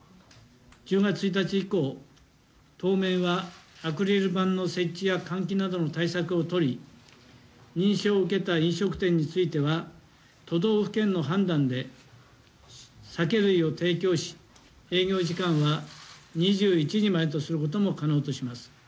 １０月１日以降、当面はアクリル板の設置や換気などの対策を取り、認証を受けた飲食店については、都道府県の判断で酒類を提供し、営業時間は２１時までとすることも可能とします。